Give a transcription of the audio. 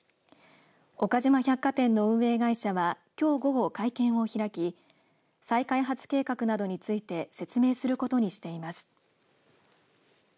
岡島百貨店の運営会社はきょう午後、会見を開き再開発計画などについて説明することにしています。